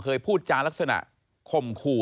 เคยพูดจารักษณะข่มขู่